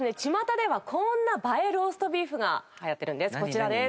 巷ではこんな映えローストビーフが流行ってるんです。